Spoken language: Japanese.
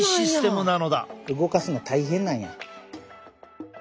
動かすの大変なんや。